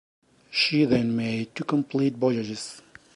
She then made two complete voyages.